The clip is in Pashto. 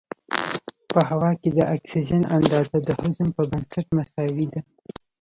په هوا کې د اکسیجن اندازه د حجم په بنسټ مساوي ده.